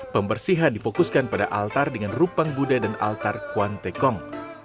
pembersihan difokuskan pada altar dengan rupang buddha dan altar kuantekong